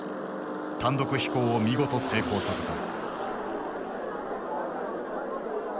単独飛行を見事成功させた。